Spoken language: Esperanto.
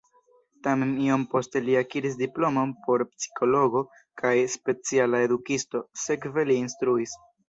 Tamen iom poste li akiris diplomon por psikologo kaj speciala edukisto, sekve li instruis.